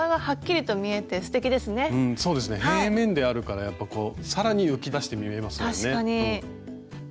そうですね平面であるからやっぱ更に浮き出して見えますよね。